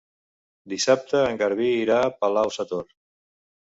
Dissabte en Garbí irà a Palau-sator.